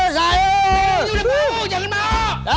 udah mau jangan mau